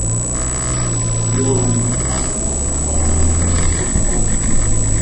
A girl running with a basketball, while another tries to steal the ball from her.